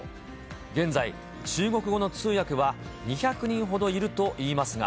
現在、中国語の通訳は２００人ほどいるといいますが。